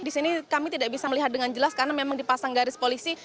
di sini kami tidak bisa melihat dengan jelas karena memang dipasang garis polisi